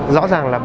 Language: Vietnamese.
rõ ràng là